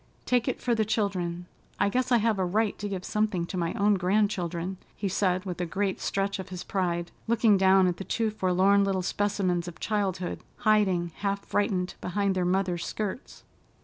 Take it for the children. I guess I have a right to give something to my own grandchildren," he said with a great stretch of his pride, looking down at the two forlorn little specimens of childhood hiding, half frightened, behind their mother's skirts.